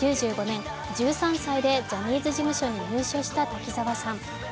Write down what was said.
１９９５年、１３歳でジャニーズ事務所に入所した滝沢さん。